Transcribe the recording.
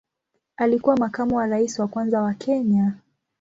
Alikuwa makamu wa rais wa kwanza wa Kenya.